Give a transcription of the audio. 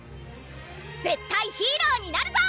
絶対ヒーローになるぞ！